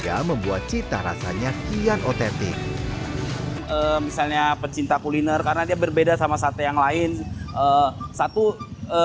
apa temen temen temenructure lumayan yang oke yaa